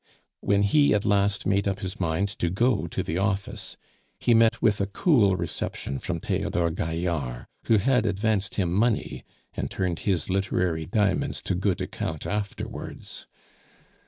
When he at last made up his mind to go to the office, he met with a cool reception from Theodore Gaillard, who had advanced him money, and turned his literary diamonds to good account afterwards.